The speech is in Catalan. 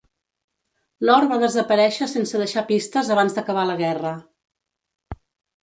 L'or va desaparèixer sense deixar pistes abans d'acabar la guerra.